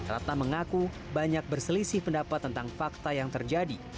ratna mengaku banyak berselisih pendapat tentang fakta yang terjadi